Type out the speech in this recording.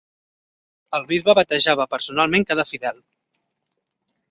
El bisbe batejava personalment cada fidel.